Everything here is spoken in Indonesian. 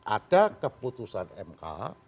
ada keputusan mk